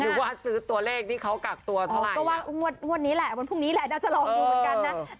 หรือว่าซื้อตัวเลขที่เขากักตัวเท่าไหร่ก็ว่างวดนี้แหละวันพรุ่งนี้แหละน่าจะลองดูเหมือนกันนะ